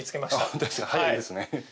本当ですか早いですね。